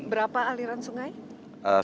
berapa aliran sungai